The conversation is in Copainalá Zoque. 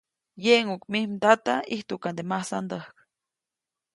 ‒Yeʼŋuʼk mij mdata, ʼijtuʼkande masandäjk-.